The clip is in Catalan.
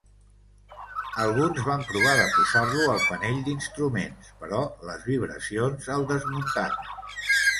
Alguns van provar de posar-lo al panell d'instruments, però les vibracions el desmuntaven.